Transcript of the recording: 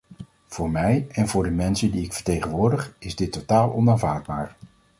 Voor mij en voor de mensen die ik vertegenwoordig, is dit totaal onaanvaardbaar.